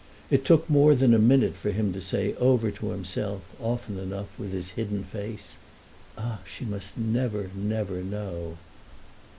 It took more than a minute for him to say over to himself often enough, with his hidden face: "Ah, she must never, never know!"